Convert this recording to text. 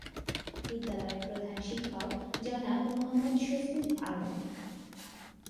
বিদ্যালয়ের প্রধান শিক্ষক জনাব মোহাম্মদ শফিউল আলম।